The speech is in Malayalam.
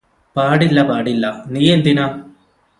പാടില്ല പാടില്ല നീയെന്തിനാ